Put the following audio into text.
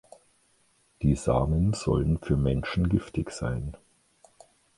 Die Samen sollen für Menschen giftig sein.